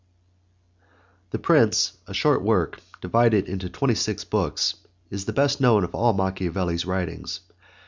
The Prince, a short work, divided into twenty six books, is the best known of all Machiavelli's writings.